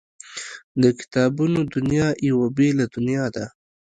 د کتابونو دنیا یوه بېله دنیا ده